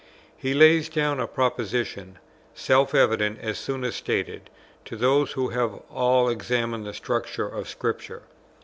He lays down a proposition, self evident as soon as stated, to those who have at all examined the structure of Scripture, viz.